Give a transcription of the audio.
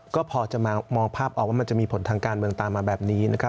ก็พอจะมองภาพออกว่ามันจะมีผลทางการเมืองตามมาแบบนี้นะครับ